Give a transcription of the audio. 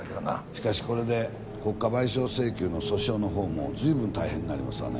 しかしこれで国家賠償請求の訴訟の方も随分大変になりますわね